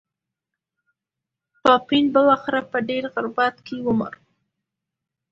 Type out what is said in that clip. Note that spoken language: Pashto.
پاپین بلاخره په ډېر غربت کې ومړ.